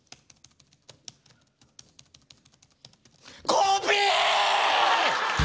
コピー！